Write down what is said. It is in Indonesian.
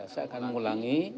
saya akan mengulangi